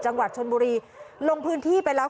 จังหวัดชนบุรีลงพื้นที่ไปแล้ว